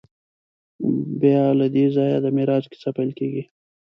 بیا له دې ځایه د معراج کیسه پیل کېږي.